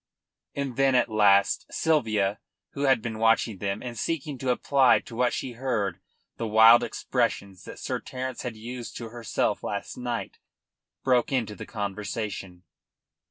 And then at last Sylvia, who had been watching them, and seeking to apply to what she heard the wild expressions that Sir Terence had used to herself last night, broke into the conversation.